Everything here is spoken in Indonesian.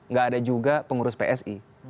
nggak ada juga pengurus psi